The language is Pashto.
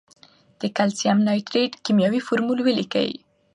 د کلسیم نایتریت کیمیاوي فورمول ولیکئ.